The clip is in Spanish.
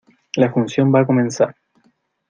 La función va a comenzar.